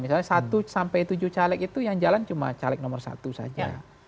misalnya satu sampai tujuh caleg itu yang jalan cuma caleg nomor satu saja